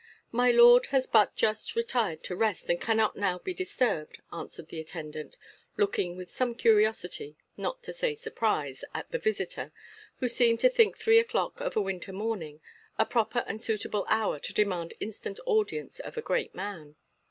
"My lord has but just retired to rest, and cannot now be disturbed," answered the attendant, looking with some curiosity, not to say surprise, at the visitor, who seemed to think three o'clock of a winter morning a proper and suitable hour to demand instant audience of a great man.